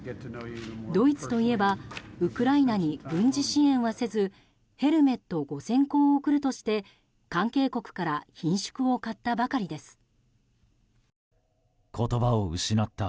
ドイツといえばウクライナに軍事支援はせずヘルメット５０００個を送るとして関係国からひんしゅくを買ったばかりです。